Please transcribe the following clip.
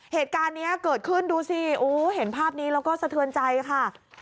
เหตุการณ์นี้เกิดขึ้นดูสิโอ้เห็นภาพนี้แล้วก็สะเทือนใจค่ะ